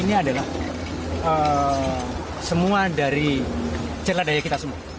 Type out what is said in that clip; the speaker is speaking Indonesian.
ini adalah semua dari celadaya kita semua